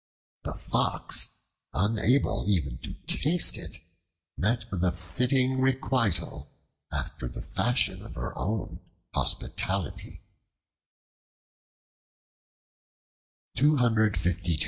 The Fox, unable even to taste it, met with a fitting requital, after the fashion of her own hospitality.